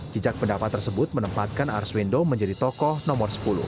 jejak pendapat tersebut menempatkan arswendo menjadi tokoh nomor sepuluh